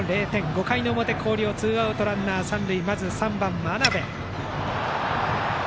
５回の表、広陵ツーアウトランナー、三塁でまず３番、真鍋。